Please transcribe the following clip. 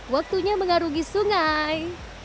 waktunya mengarungi sungai